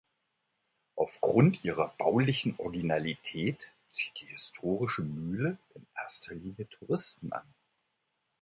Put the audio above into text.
Aufgrund ihrer baulichen Originalität zieht die historische Mühle in erster Linie Touristen an.